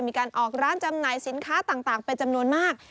มีการออกร้านจำหน่ายสินค้าต่างเป็นจำนวนมาก